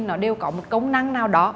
nó đều có một công năng nào đó